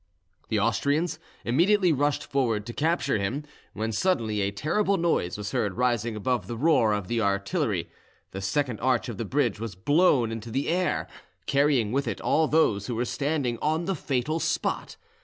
The Austrians immediately rushed forward to capture him, when suddenly a terrible noise was heard rising above the roar of the artillery; the second arch of the bridge was blown into the air, carrying with it all those who were standing on the fatal spot.